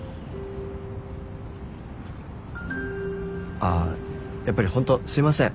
ああやっぱり本当すいません。